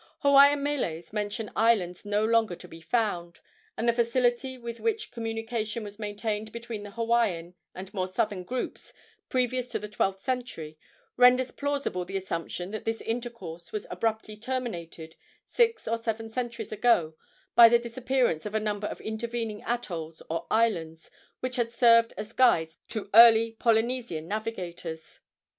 Hawaiian meles mention islands no longer to be found, and the facility with which communication was maintained between the Hawaiian and more southern groups previous to the twelfth century renders plausible the assumption that this intercourse was abruptly terminated six or seven centuries ago by the disappearance of a number of intervening atolls or islands which had served as guides to early Polynesian navigators.